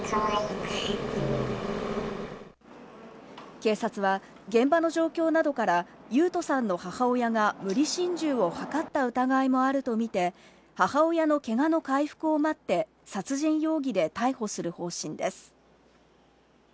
警察は現場の状況などから勇人さんの母親が無理心中をはかった疑いもあるとみて母親のけがの回復を待って、殺人容疑で逮捕する方針です。